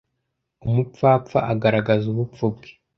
umupfapfa agaragaza ubupfu bwe